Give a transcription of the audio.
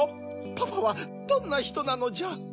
パパはどんなひとなのじゃ？